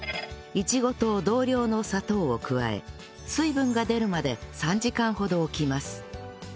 イチゴと同量の砂糖を加え水分が出るまで３時間ほど置きます